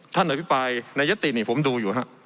ท่านหรือพี่ปลายในยศตินี้ผมดูอยู่ครับ